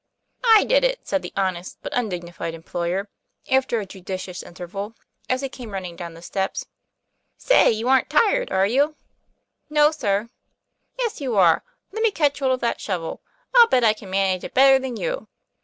'I did it," said the honest but undignified em ployer, after a judicious interval, as he came running down the steps. ;' Say, you're tired, aren't you?" "No, sir." 'Yes, you are; let me catch hold of that shovel. I'll bet I can manage it better than you."